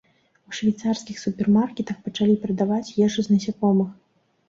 У швейцарскіх супермаркетах пачалі прадаваць ежу з насякомых.